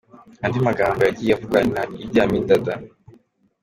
Andi magambo yagiye avugwa na Idi Amin Dada.